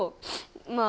まあ